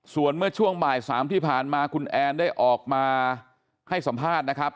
ส่วนเมื่อช่วงบ่าย๓ที่ผ่านมาคุณแอนได้ออกมาให้สัมภาษณ์นะครับ